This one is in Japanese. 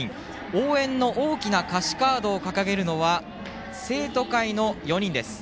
応援の大きな歌詞カードを掲げるのは生徒会の４人です。